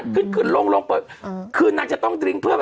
ปุ๊บปุ๊บปุ๊บปุ๊บปุ๊บปุ๊บ